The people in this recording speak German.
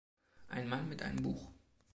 Ein Mann mit einem Buch.